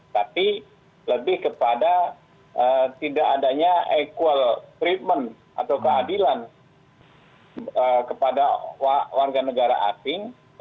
tapi lebih kepada tidak adanya equal treatment atau keadilan kepada warga negara asing